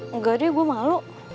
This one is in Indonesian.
enggak deh gue malu